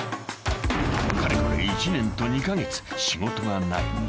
［かれこれ１年と２カ月仕事がない］